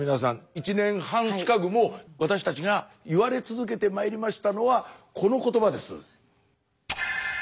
１年半近くも私たちが言われ続けてまいりましたのはこの言葉です。